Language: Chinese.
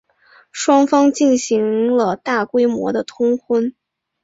双方也进行了大规模的通婚。